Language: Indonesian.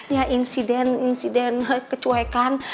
ya insiden insiden kecuekan